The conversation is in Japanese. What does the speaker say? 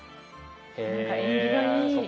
何か縁起がいい。